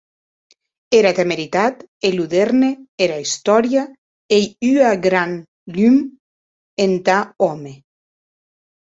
Era temeritat enludèrne ara istòria, e ei ua gran lum entar òme.